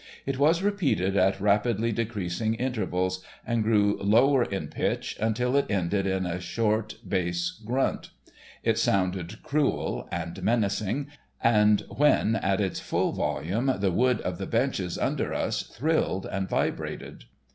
It was repeated at rapidly decreasing intervals, and grew lower in pitch until it ended in a short bass grunt. It sounded cruel and menacing, and when at its full volume the wood of the benches under us thrilled and vibrated.